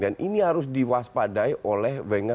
dan ini harus diwaspadai oleh wenger